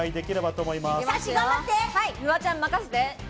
フワちゃん、まかせて！